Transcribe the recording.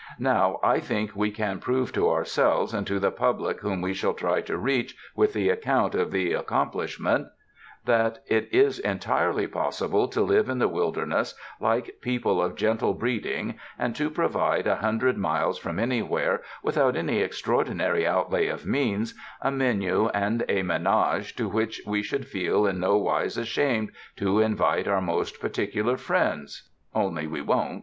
Now I think we can prove to our selves and to the public whom we shall try to reach with the account of the accomplishment, that it is entirely possible to live in the wilderness like peo ple of gentle breeding and to provide, a hundred miles from anywhere, without any extraordinary outlay of means, a menu and a menage to which we should feel in nowise ashamed to invite our most particular friends — only we won't!"